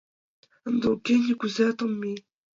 Ынде — уке, нигузеат ом мий.